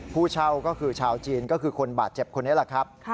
ผู้เช่าก็คือชาวจีนก็คือคนบาดเจ็บคนนี้แหละครับ